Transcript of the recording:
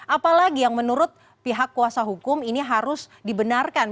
apalagi yang menurut pihak kuasa hukum ini harus dibenarkan